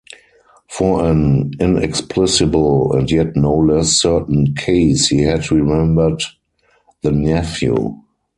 For an inexplicable and yet no less certain case, he had remembered the nephew